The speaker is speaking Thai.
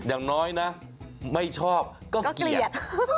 อย่างน้อยนะไม่ชอบก็เกลียด